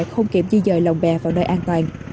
không kiểm di dời lòng bè vào nơi an toàn